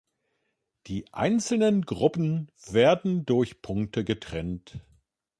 Die einzelnen Gruppen werden durch Punkte getrennt.